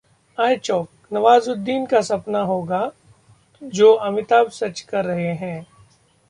iChowk: Nawazuddin का सपना होगा... जो अमिताभ सच कर रहे हैं